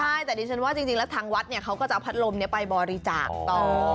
ใช่แต่ดิฉันว่าจริงแล้วทางวัดเนี่ยเขาก็จะเอาพัดลมไปบริจาคต่อ